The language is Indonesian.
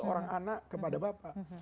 seorang anak kepada bapak